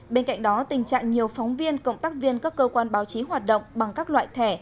bên cạnh đó tình trạng nhiều phóng viên cộng tác viên các cơ quan báo chí hoạt động bằng các loại thẻ